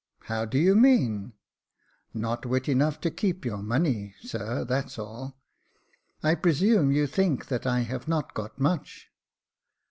" How do you mean ?"" Not wit enough to keep your money, sir — that's all }"" I presume you think that I have not got much."